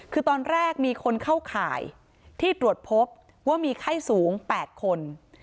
คือตอนแรกมีคนเข้าข่ายที่ตรวจพบว่ามีไข้สูง๘คน